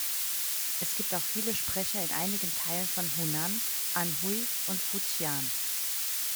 Es gibt auch viele Sprecher in einigen Teilen von Hunan, Anhui und Fujian.